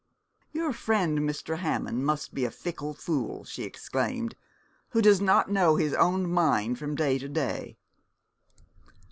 'Your friend Mr. Hammond must be a fickle fool,' she exclaimed, 'who does not know his own mind from day to day.'